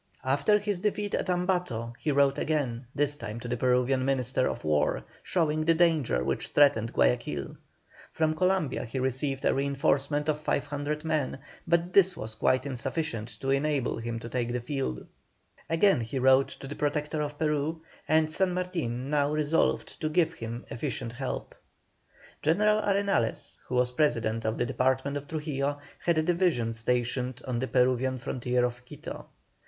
After his defeat at Ambato, he wrote again, this time to the Peruvian Minister of War, showing the danger which threatened Guayaquil. From Columbia he received a reinforcement of 500 men, but this was quite insufficient to enable him to take the field. Again he wrote to the Protector of Peru, and San Martin now resolved to give him efficient help. General Arenales, who was president of the department of Trujillo, had a division stationed on the Peruvian frontier of Quito.